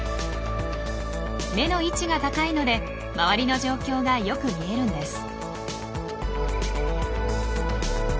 目の位置が高いので周りの状況がよく見えるんです。